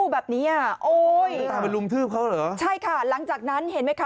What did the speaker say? แบบนี้อ่ะโอ้ยคุณตามไปรุมทืบเขาเหรอใช่ค่ะหลังจากนั้นเห็นไหมคะ